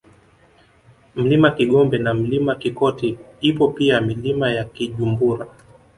Mlima Kigombe na Mlima Kikoti ipo pia Milima ya Kijumbura